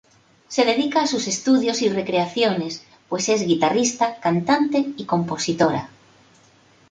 Se dedica a sus estudios y recreaciones, pues es Guitarrista, Cantante y Compositora.